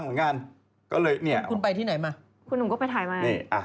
คุณหนูก็ไปถ่ายมา